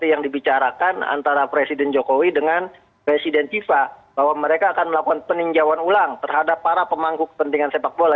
yang dibicarakan antara presiden jokowi dengan presiden fifa bahwa mereka akan melakukan peninjauan ulang terhadap para pemangku kepentingan sepak bola